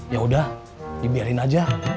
ya udah dibiarin aja